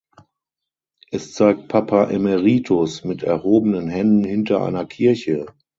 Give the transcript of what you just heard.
Es zeigt Papa Emeritus mit erhobenen Händen hinter einer Kirche.